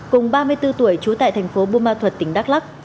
cùng ba mươi bốn tuổi trú tại thành phố buôn ma thuật tỉnh đắk lắc